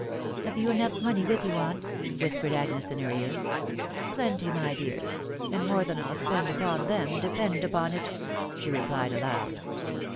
"Have you enough money with you, aunt?" whispered Agnes in her ear. " Plenty, my dear ; and more than I'll spend upon thero, depend upon it," she replied aloud.